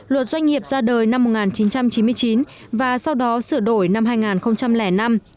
luật doanh nghiệp ra đời năm một nghìn chín trăm chín mươi chín và sau đó sửa đổi năm hai nghìn năm